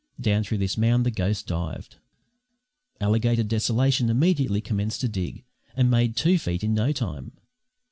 Down through this mound the ghost dived. Alligator Desolation immediately commenced to dig, and made two feet in no time.